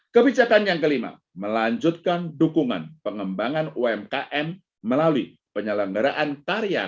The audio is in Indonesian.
kebijakan yang kelima melanjutkan dukungan pengembangan umkm melalui penyelenggaraan karya